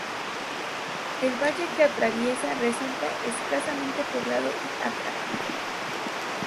El valle que atraviesa resulta escasamente poblado y atractivo.